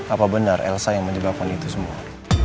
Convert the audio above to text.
apa benar elsa yang menyebabkan itu semua